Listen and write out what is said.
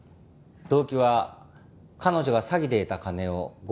動機は彼女が詐欺で得た金を強奪するため。